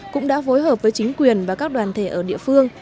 cũng đã phối hợp với chính quyền và các đoàn thể ở địa phương